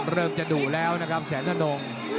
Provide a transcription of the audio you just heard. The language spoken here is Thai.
เริ่มจะดูแล้วนะครับแสนหนง